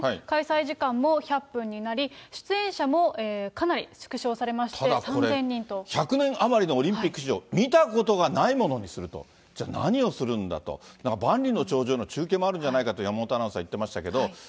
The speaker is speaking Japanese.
開催時間も１００分になり、出演者もかなり縮小されまして、ただこれ、１００年余りのオリンピック史上、見たことがないものにすると、じゃあ何をすると、万里の長城の中継もあるんじゃないかと山本アナウンサー、言ってましたけど。